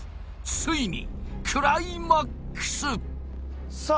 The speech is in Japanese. ついにクライマックスさあ